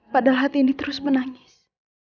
padahal hati ini terus menangis